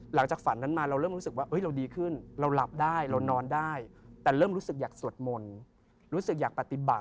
หลังจากฝันนั้นมาเราเริ่มรู้สึกว่า